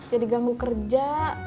jadi ganggu kerja